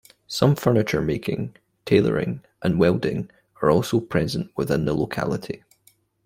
Some furniture making, tailoring and welding are also present within the locality.